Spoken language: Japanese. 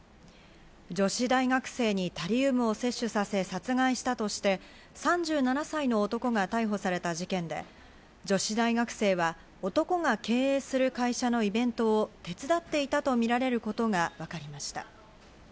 女子大学生にタリウムを摂取させ殺害したとして、３７歳の男が逮捕された事件で、女子大学生は男の経営する会社のイベントを手伝っていたと見られることがわかりました。